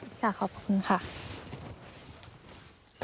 ครับขอบคุณค่ะ